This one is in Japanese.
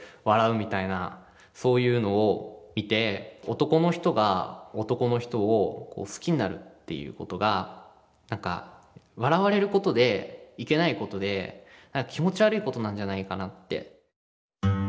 男の人が男の人を好きになるっていうことが笑われることでいけないことで気持ち悪いことなんじゃないかなって。